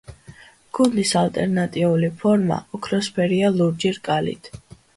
გუნდის ალტერნატიული ფორმა ოქროსფერია ლურჯი რკალით.